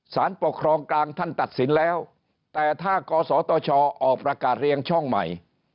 สารปกครองกลางท่านตัดสินแล้วแต่ถ้ากศตชออกประกาศเรียงช่องใหม่